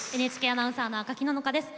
ＮＨＫアナウンサーの赤木野々花です。